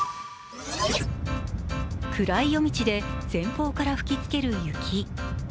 暗い夜道で前方から吹きつける雪。